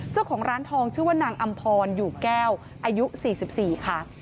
เจ้าของร้านทองชื่อว่านางอำพรอยู่แก้วอายุ๔๔ค่ะ